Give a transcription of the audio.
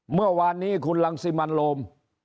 เมื่อวานนี้คุณรังสิมันโรม